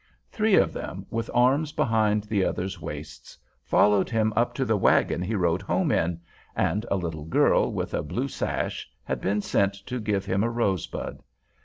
Three of them, with arms behind the others' waists, followed him up to the wagon he rode home in; and a little girl with a blue sash had been sent to give him a rosebud.